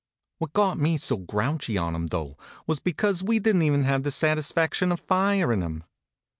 What got me so grouchy on him, though, was because we didn t even have the satis faction of firm him.